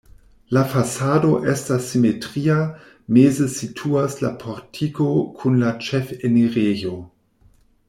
La fasado estas simetria, meze situas la portiko kun la ĉefenirejo.